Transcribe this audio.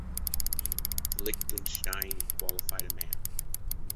The Liechtenstein qualified a man.